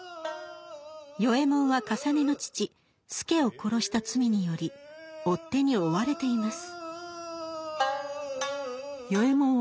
与右衛門はかさねの父助を殺した罪により追っ手に追われています。